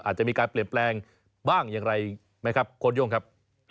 อาจจะมีการเปลี่ยนแปลงบ้างอย่างไรไหมครับโค้ดโย่งครับ